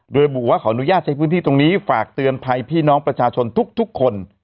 โดยบอกว่าขออนุญาตใช้พื้นที่ตรงนี้ฝากเตือนภัยพี่น้องประชาชนทุกคน